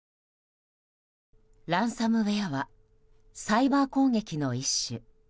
ランサムウェアはサイバー攻撃の一種。